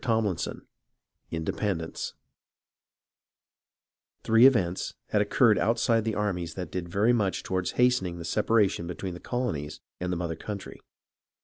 CHAPTER X INDEPENDENCE Three events had occurred outside the armies that did very much toward hastening the separation between the colonies and the mother country.